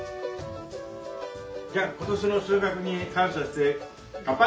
じゃあ今年の収穫に感謝して乾杯！